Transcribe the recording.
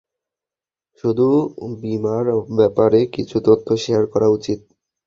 শুধু বীমার ব্যাপারে কিছু তথ্য শেয়ার করা উচিত!